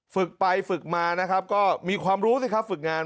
ฝึกไปฝึกมานะครับก็มีความรู้สิครับฝึกงาน